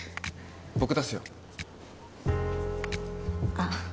僕出すよあっ